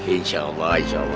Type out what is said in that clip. insya allah insya allah